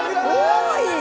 多い！